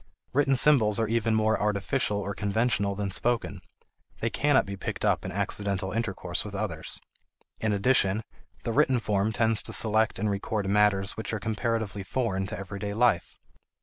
Written symbols are even more artificial or conventional than spoken; they cannot be picked up in accidental intercourse with others. In addition, the written form tends to select and record matters which are comparatively foreign to everyday life.